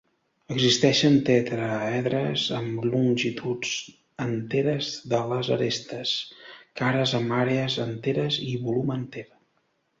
Existeixen tetràedres amb longituds enteres de les arestes, cares amb àrees enteres, i volum enter.